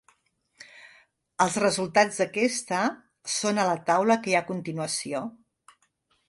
Els resultats d'aquesta són a la taula que hi ha a continuació.